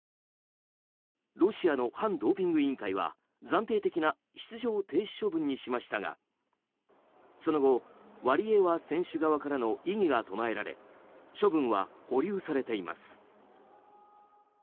ロシアの反ドーピング委員会は暫定的な出場停止処分にしましたがその後、ワリエワ選手側からの異議が唱えられ処分は保留されています。